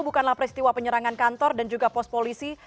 bukanlah peristiwa penyerangan kantor dan juga pos polisi